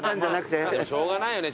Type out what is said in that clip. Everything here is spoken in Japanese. でもしょうがないよね